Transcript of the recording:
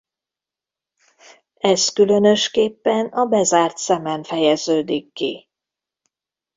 Ez különösképpen a bezárt szemen fejeződik ki.